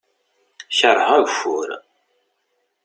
Kerheɣ ageffur.